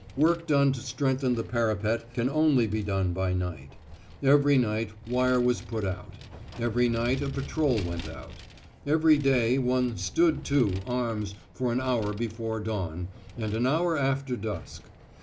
Work done to strengthen the parapet can only be done by night. Every night wire was put out. Every night a patrol went out. Every day one "stood to" arms for an hour before dawn, and an hour after dusk.